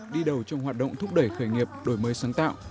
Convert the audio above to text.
đi đầu trong hoạt động thúc đẩy khởi nghiệp đổi mới sáng tạo